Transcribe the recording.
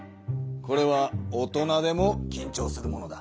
これは大人でもきんちょうするものだ。